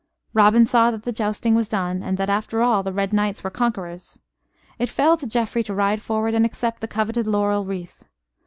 Robin saw that the jousting was done, and that, after all, the red knights were conquerors. It fell to Geoffrey to ride forward and accept the coveted laurel wreath.